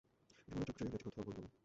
বিমলা চোখ বুজেই রইল, একটি কথাও বললে না।